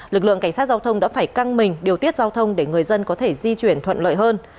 lực lượng cảnh sát giao thông đã phải căng mình điều tiết giao thông để người dân có thể di chuyển thuận lợi hơn